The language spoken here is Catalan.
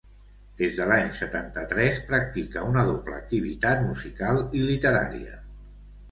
Des de l'any setanta i tres practica una doble activitat musical i literària.